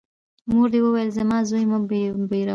مور دي وویل : زما زوی مه بېروه!